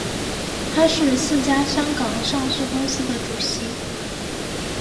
他是四家香港上市公司的主席。